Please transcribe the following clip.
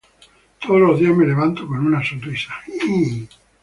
Todos los días me levanto con una sonrisa.